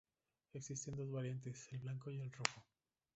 Existen dos variantes: el blanco y el rojo.